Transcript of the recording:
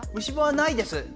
虫歯はないです。